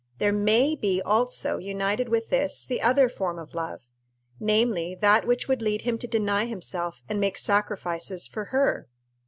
There may be also united with this the other form of love namely, that which would lead him to deny himself and make sacrifices for her.